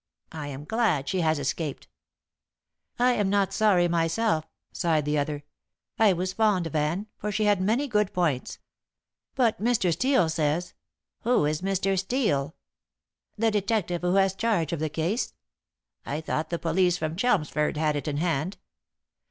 I am glad she has escaped." "I am not sorry myself," sighed the other. "I was fond of Anne, for she had many good points. But Mr. Steel says " "Who is Mr. Steel?" "The detective who has charge of the case." "I thought the police from Chelmsford had it in hand."